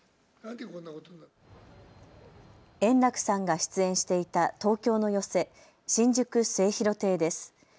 円楽さんが出演していた東京の寄席、新宿末廣亭です。